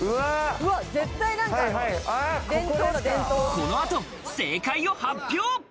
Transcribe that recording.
この後、正解を発表。